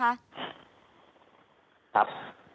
ครับ